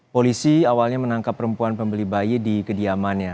polisi awalnya menangkap perempuan pembeli bayi di kediamannya